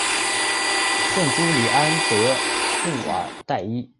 圣朱利安德布尔代伊。